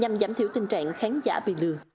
nhằm giảm thiểu tình trạng khán giả bị lừa